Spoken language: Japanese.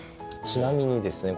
ちなみにですね